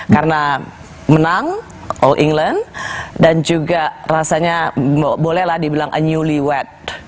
karena menang all england dan juga rasanya bolehlah dibilang a newly wet